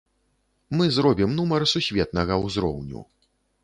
Мы зробім нумар сусветнага ўзроўню.